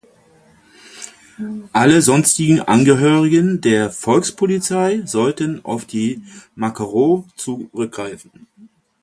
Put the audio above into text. Alle sonstigen Angehörigen der Volkspolizei sollten auf die Makarow zurückgreifen.